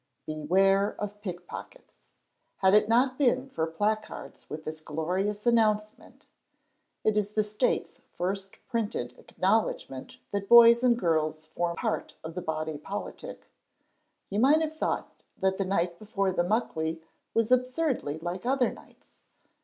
Beware of Pickpockets! Had it not been for placards with this glorious announcement (it is the state's first printed acknowledgment that boys and girls form part of the body politic) you might have thought that the night before the Muckley was absurdly like other nights.